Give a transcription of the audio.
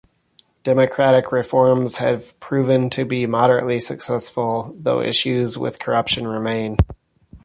Democratic reforms have proven to be moderately successful, though issues with corruption remain.